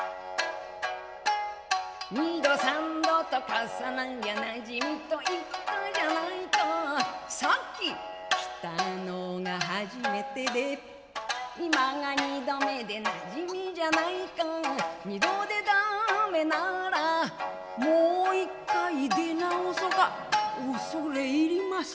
二度三度と重なりゃ馴染みと云ったじゃないかさっき来たのが初めてで今が二度目で馴染みじゃないか二度で駄目ならもう一回出直そか「恐れ入ります。